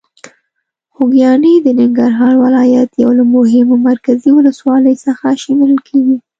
خوږیاڼي د ننګرهار ولایت یو له مهمو مرکزي ولسوالۍ څخه شمېرل کېږي.